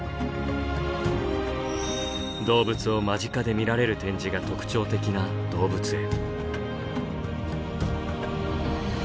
動物を間近で見られる展示が特徴的な動物園。